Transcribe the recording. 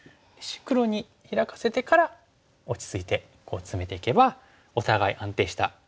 黒にヒラかせてから落ち着いてこうツメていけばお互い安定した進行になりますからね。